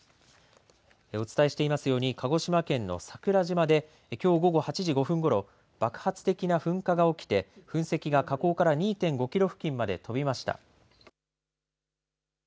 お伝えしていますように鹿児島県の桜島できょう午後８時５分ごろ爆発的な噴火が起きて噴石が火口から２．５キロ付近まで飛びました。